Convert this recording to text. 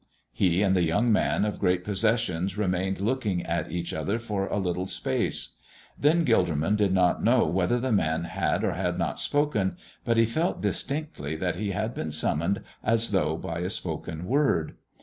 He and the young man of great possessions remained looking at each other for a little space. Then Gilderman did not know whether the Man had or had not spoken, but he felt distinctly that he had been summoned as though by a spoken word.